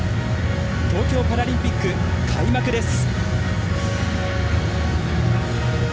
東京パラリンピック、開幕です。